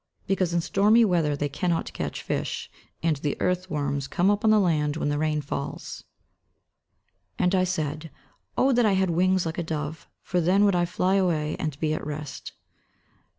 _ Because in stormy weather they cannot catch fish; and the earth worms come up on the land when the rain falls. [Verse: "And I said, Oh, that I had wings like a dove! for then would I fly away, and be at rest."